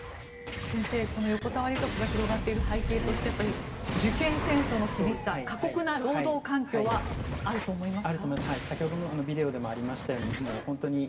先生、この横たわり族が広がっている背景としてやっぱり受験戦争の厳しさ過酷な労働環境はあると思いますか？